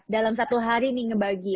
dalam satu hari nih ngebagi